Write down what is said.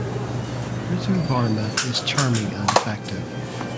Ritu Varma is charming and effective.